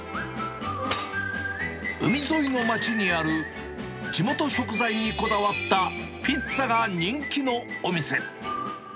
海沿いの街にある、地元食材にこだわったピッツァが人気のお店。